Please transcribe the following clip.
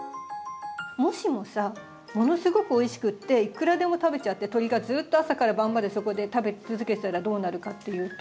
もしもさものすごくおいしくっていくらでも食べちゃって鳥がずっと朝から晩までそこで食べ続けてたらどうなるかっていうと？